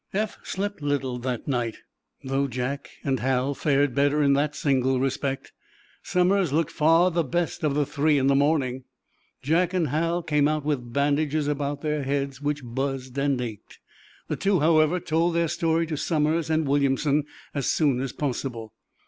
Eph slept little that night. Though Jack and Hal fared better in that single respect, Somers looked far the best of the three in the morning. Jack and Hal came out with bandages about their heads, which buzzed and ached. The two, however, told their story to Somers and Williamson as soon as possible.